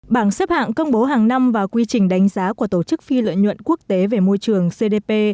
bảng xếp hạng công bố hàng năm và quy trình đánh giá của tổ chức phi lợi nhuận quốc tế về môi trường cdp